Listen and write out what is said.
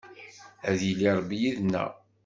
Ad yili Ṛebbi yid-neɣ.